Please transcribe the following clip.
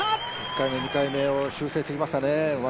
１回目、２回目をうまく修正してきましたね。